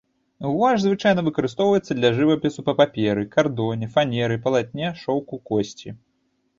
Гуаш звычайна выкарыстоўваецца для жывапісу на паперы, кардоне, фанеры, палатне, шоўку, косці.